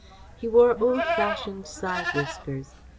He wore old fashioned side whiskers.